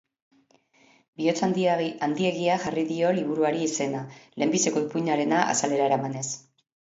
Bihotz handiegia jarri dio liburuari izena, lehenbiziko ipuinarena azalera eramanez.